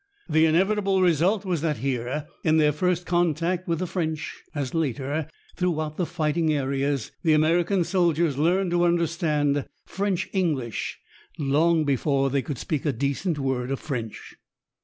The inevitable result was that here, in their first contact with the French, as later, throughout the fighting areas, the American soldiers learned to understand French English long before they could speak a decent word of French.